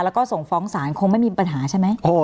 แล้วก็ส่งฟ้องศาลคงไม่มีปัญหาใช่ไหม